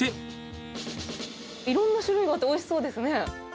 いろんな種類があって、おいしそうですね。